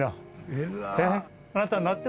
えっ？